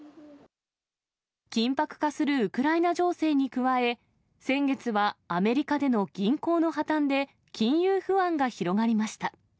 緊迫化するウクライナ情勢に加え、先月はアメリカでの銀行の破綻で、金融不安が広がりました。